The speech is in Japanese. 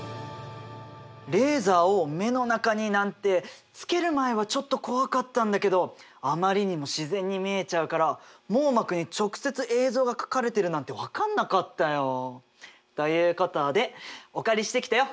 レーザを目の中になんてつける前はちょっと怖かったんだけどあまりにも自然に見えちゃうから網膜に直接映像が描かれてるなんて分かんなかったよ。ということでお借りしてきたよ